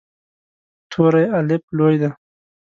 توری “الف” لوی دی.